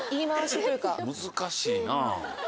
難しいな。